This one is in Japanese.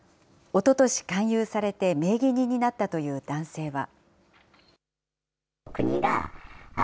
おととし勧誘されて名義人になったという男性は。